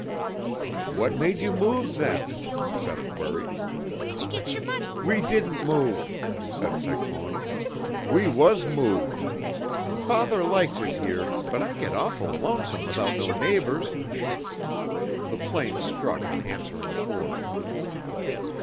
"What made you move, then?" Seth queried. "We didn't move," said Cyclona. "We was moved. Father likes it here, but I get awful lonesome without no neighbors." The plaint struck an answering chord.